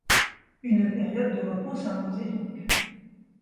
Une période de repos s'imposait donc.